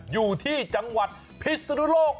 อยู่ที่จังหวัดพิศนุโลก